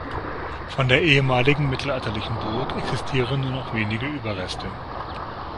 Von der ehemaligen mittelalterlichen Burg existieren nur noch wenige Überreste.